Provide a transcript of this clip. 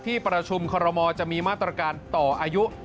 ที่ประชุมคอรมอลจะมีมาตรการต่ออายุ